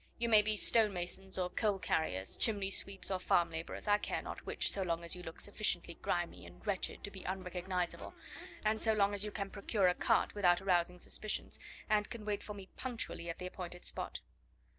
You may be stonemasons or coal carriers, chimney sweeps or farm labourers, I care not which so long as you look sufficiently grimy and wretched to be unrecognisable, and so long as you can procure a cart without arousing suspicions, and can wait for me punctually at the appointed spot."